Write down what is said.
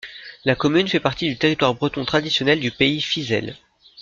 La commune fait partie du territoire breton traditionnel du pays Fisel.